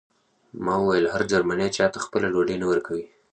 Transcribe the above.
ما وویل هر جرمنی چاته خپله ډوډۍ نه ورکوي